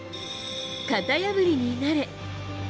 型破りになれ。